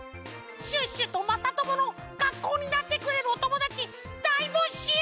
シュッシュとまさとものかっこうになってくれるおともだちだいぼしゅう！